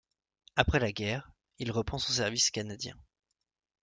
Après la guerre, il reprend son service canadien.